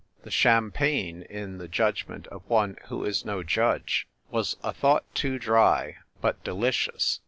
The champagne, in the judgment of one who is no judge, was a thought too dry, but delicious.